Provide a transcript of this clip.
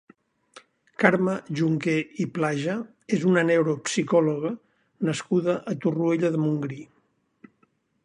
Carme Junqué i Plaja és una neuropsicòloga nascuda a Torroella de Montgrí.